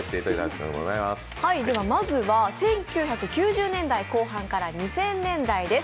まずは１９９１年後半から２０００年台です。